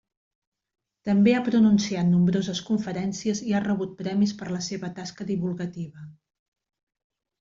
També ha pronunciat nombroses conferències i ha rebut premis per la seva tasca divulgativa.